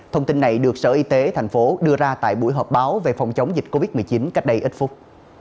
thông tin này được sở y tế tp hcm đưa ra tại buổi họp báo về phòng chống dịch covid một mươi chín cách đây ít phút